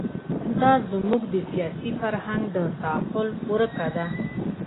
دا زموږ د سیاسي فرهنګ د تعقل ورکه ده.